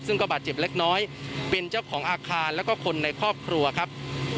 ซึ่งก็บาดเจ็บเล็กน้อยเป็นเจ้าของอาคารแล้วก็คนในครอบครัวครับ